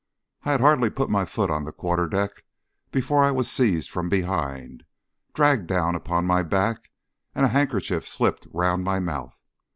I had hardly put my foot on the quarter deck before I was seized from behind, dragged down upon my back, and a handkerchief slipped round my mouth.